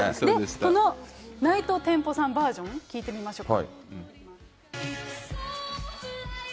このナイトテンポさんバージョン、聴いてみましょう。